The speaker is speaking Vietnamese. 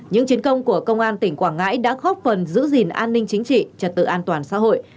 những chiến công của công an tỉnh quảng ngãi đã góp phần giữ gìn an ninh chính trị trật tự an toàn xã hội